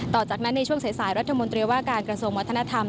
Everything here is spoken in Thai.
ต่อจากนั้นในช่วงสายรัฐมนตรีว่าการกระทรวงวัฒนธรรม